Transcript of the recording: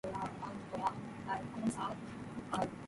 Myr is deprecated in geology, but in astronomy "myr" is standard.